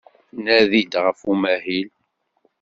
Nadi-d ɣef umahil.